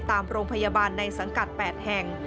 ตามโรงพยาบาลในสังกัด๘แห่ง